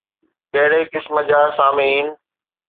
ڪهڙي قسم جا سامعين؟